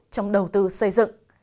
trong đầu tư xây dựng